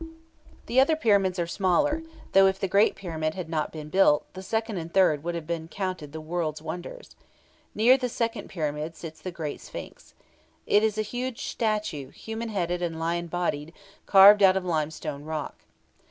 The other pyramids are smaller, though, if the Great Pyramid had not been built, the Second and Third would have been counted world's wonders. Near the Second Pyramid sits the Great Sphinx. It is a huge statue, human headed and lion bodied, carved out of limestone rock.